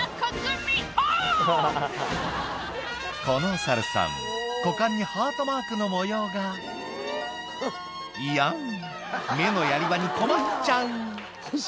このおサルさん股間にハートマークの模様が「いやん目のやり場に困っちゃう」